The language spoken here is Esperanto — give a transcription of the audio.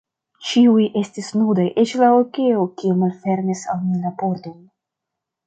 Ĉiuj estis nudaj, eĉ la lakeo, kiu malfermis al mi la pordon.